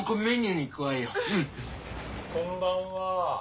こんばんは。